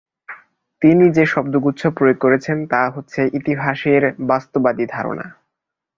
তিনি যে শব্দগুচ্ছ প্রয়োগ করেছেন তা হচ্ছে "ইতিহাসের বস্তুবাদী ধারণা"।